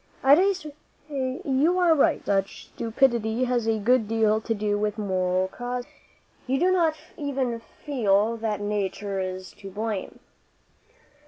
"I daresay you are right. Such stupidity has a good deal to do with moral causes. You do not ever feel that Nature is to blame."